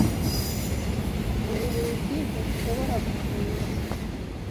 Uru rugi ntirushobora gufungwa.